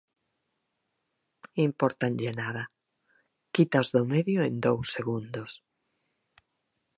Impórtanlle nada, quítaos do medio en dous segundos.